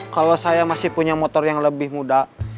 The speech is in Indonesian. kalau saya masih punya motor yang lebih muda